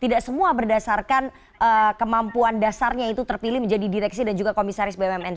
tidak semua berdasarkan kemampuan dasarnya itu terpilih menjadi direksi dan juga komisaris bumn